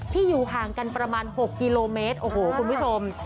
อยู่ห่างกันประมาณ๖กิโลเมตรโอ้โหคุณผู้ชม